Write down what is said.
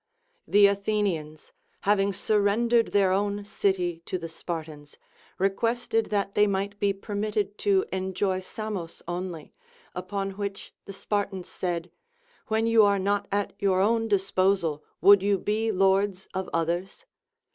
The Athenians, having surrendered their own city to the Spar tans, requested that they might be permitted to enjoy Samos only ; upon which the Spartans said. When you are not at your own disposal, would you be lords of others